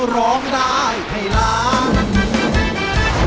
ร้องได้ให้ล้าน